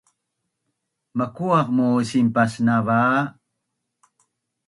Makuaq muu sinpaasnava?